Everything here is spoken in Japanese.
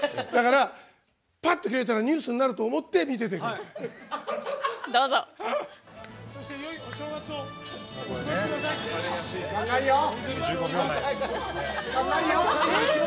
だから、ぱっと開いたらニュースになると思って見ててください。